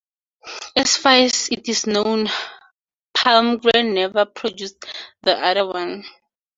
As far as it is known, Palmgren never produced the other one.